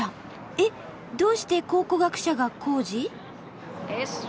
えっどうして考古学者が工事？